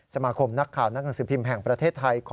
สมาคมนักข่าวนักหนังสือพิมพ์แห่งประเทศไทย